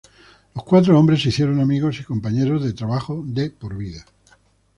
Los cuatro hombres se hicieron amigos y compañeros de trabajo de por vida.